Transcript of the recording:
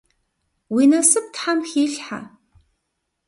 Уи насып Тхьэм хилъхьэ.